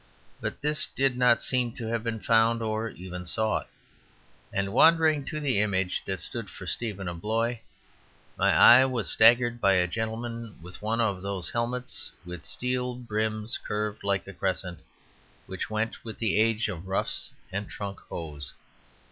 but this did not seem to have been found, or even sought. And wandering to the image that stood for Stephen of Blois, my eye was staggered by a gentleman with one of those helmets with steel brims curved like a crescent, which went with the age of ruffs and trunk hose.